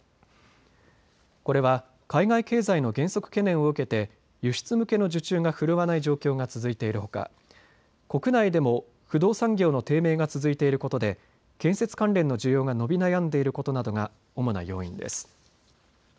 これは海外経済の減速懸念を受けて輸出向けの受注が振るわない状況が続いているほか国内でも不動産業の低迷が続いていることで建設関連の需要が伸び悩んでいることなどが主な要因です。